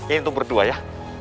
ini untuk berdua ya